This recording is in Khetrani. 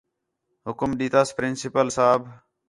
حُکم ݙِتاس پرنسپل صاحب